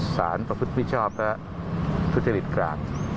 สารประพฤติผิดชอบและพุทธฤทธิ์กลาง